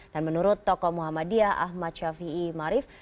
dan menurut tokoh muhammadiyah ahmad syafi'i marif